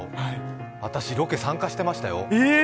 私、ロケ参加してましたよ。